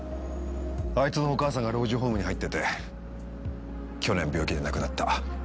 あいつのお母さんが老人ホームに入ってて去年病気で亡くなった。